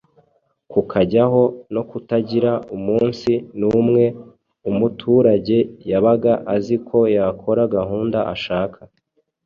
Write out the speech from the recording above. kukajyaho no kutagira umunsi n'umwe umuturage yabaga azi ko yakora gahunda ashaka.